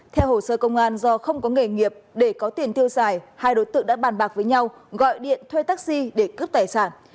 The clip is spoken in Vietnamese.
theo hồ sơ công an do không có nghề nghiệp để có tiền tiêu xài hai đối tượng đã bàn bạc với nhau gọi điện thuê taxi để cướp tài sản